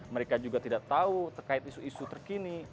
mereka juga tidak tahu terkait isu isu terkini